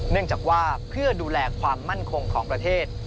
เนื่องจากว่าเพื่อดูแลความมั่นคงของประเทศ